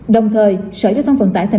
đồng thời sở hữu thông phần tiền